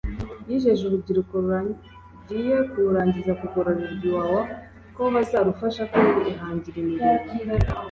yijeje urubyiruko rugiye kurangiza kugororerwa Iwawa ko bazarufasha kwihangira imirimo